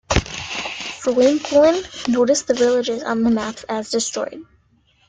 Franquelin noted the villages on the map as "destroyed".